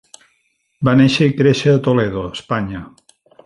Va néixer i créixer a Toledo, Espanya.